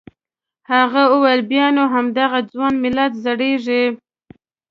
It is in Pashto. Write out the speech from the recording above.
هغه وویل بیا نو همدغه ځوان ملت زړیږي.